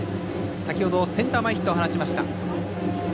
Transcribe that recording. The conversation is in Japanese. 先ほどセンター前ヒットを放ちました。